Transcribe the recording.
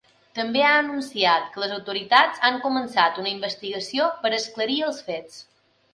També ha anunciat que les autoritats han començat una investigació per esclarir els fets.